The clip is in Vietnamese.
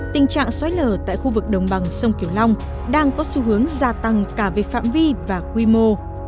tình trạng xói lở tại khu vực đồng bằng sông kiểu long đang có xu hướng gia tăng cả về phạm vi và quy mô